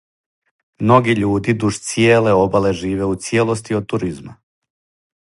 Многи људи дуж цијеле обале живе у цјелости од туризма.